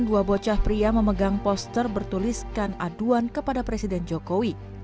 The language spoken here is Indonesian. dua bocah pria memegang poster bertuliskan aduan kepada presiden jokowi